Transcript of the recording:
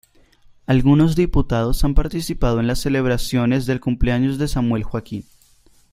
Algunos diputados han participado en las celebraciones del cumpleaños de Samuel Joaquín.